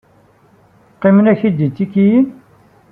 Qqimen-ak-d itikiyen?